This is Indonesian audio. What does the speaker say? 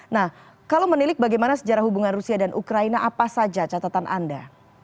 nah kalau menilik bagaimana sejarah hubungan rusia dan ukraina apa saja catatan anda